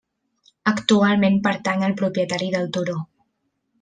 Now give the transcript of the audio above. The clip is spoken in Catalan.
Actualment pertany al propietari del turó.